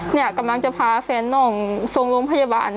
เนี่ยกำลังจะพาแฟนน่องส่งโรงพยาบาล